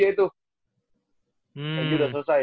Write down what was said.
waktu itu udah selesai